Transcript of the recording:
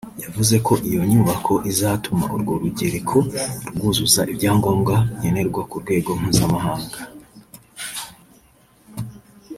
yavuze ko iyo nyubako izatuma urwo rugereko rwuzuza ibyangombwa nkenerwa ku rwego mpuzamahanga